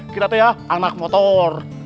kita tuh ya anak motor